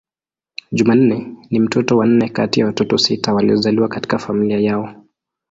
Jumanne ni mtoto wa nne kati ya watoto sita waliozaliwa katika familia yao.